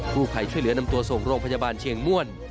ผู้ภัยช่วยเหลือนำตัวส่งโรงพยาบาลเชียงม่วน